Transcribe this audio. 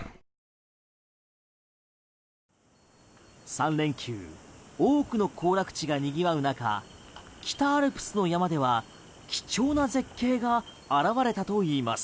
３連休多くの行楽地がにぎわう中北アルプスの山では貴重な絶景が現れたといいます。